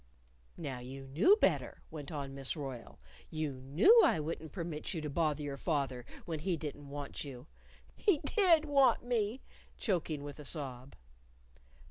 "No, you knew better," went on Miss Royle. "You knew I wouldn't permit you to bother your father when he didn't want you " "He did want me!" choking with a sob.